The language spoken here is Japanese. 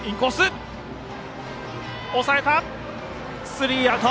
スリーアウト。